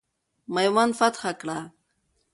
میوند فتح کړه.